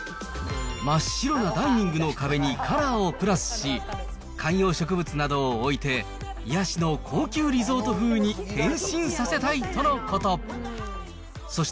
真っ白なダイニングの壁にカラーをプラスし、観葉植物などを置いて、癒やしの高級リゾート風に変身させたいとのこと。